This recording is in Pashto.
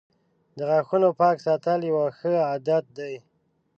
• د غاښونو پاک ساتل یوه ښه عادت دی.